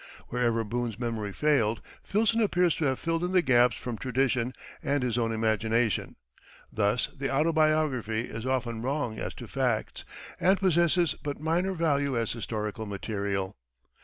Wherever Boone's memory failed, Filson appears to have filled in the gaps from tradition and his own imagination; thus the autobiography is often wrong as to facts, and possesses but minor value as historical material.